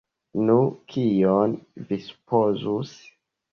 Nu, kion vi supozus?!